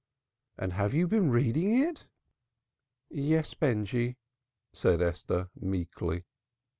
"And you have been reading it?" "Yes, Benjy," said Esther meekly.